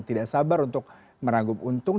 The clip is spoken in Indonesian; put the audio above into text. tidak sabar untuk meragup untung